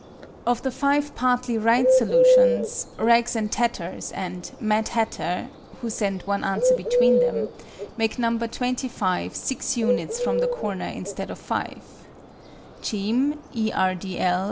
Of the five partly right solutions, RAGS AND TATTERS and MAD HATTER (who send one answer between them) make No. 25 6 units from the corner instead of 5. CHEAM, E. R. D. L.